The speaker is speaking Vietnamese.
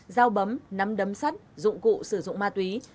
dao bấm nắm đấm sắt dụng cụ sử dụng ma túy